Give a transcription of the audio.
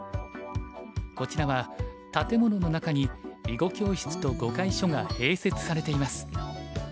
こちらは建物の中に囲碁教室と碁会所が併設されています。